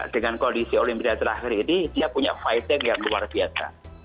dengan kondisi olimpiade terakhir ini dia punya fighting yang luar biasa